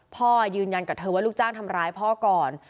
พ่อยืนยันกับเธอว่าลูกจ้างทำร้ายพ่อก่อน